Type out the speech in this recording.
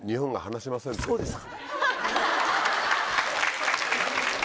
そうですか！